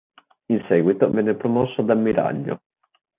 In seguito venne promosso ad ammiraglio.